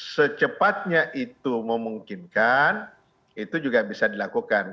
secepatnya itu memungkinkan itu juga bisa dilakukan